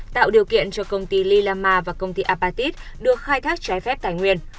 tạo điều kiện cho công ty lilama và công ty apatit được khai thác trái phép tài nguyên